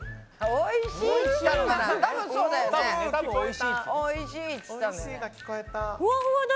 おいしい？